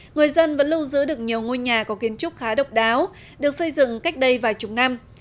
người dân vẫn lưu giữ được nhiều ngôi nhà có kiến trúc khá độc đáo được xây dựng cách đây vài chục năm